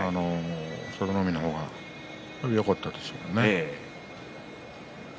佐田の海の方がよかったんですけども。